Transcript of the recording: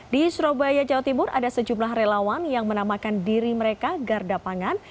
di surabaya jawa timur ada sejumlah relawan yang menamakan diri mereka garda pangan